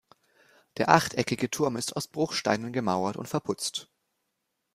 Der achteckige Turm ist aus Bruchsteinen gemauert und verputzt.